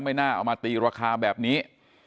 ไม่น่าเอามาตีราคาแบบนี้